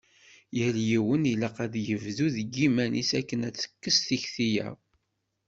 Yal yiwen ilaq ad ibdu deg yiman-is akken ad tekkes tikti-ya.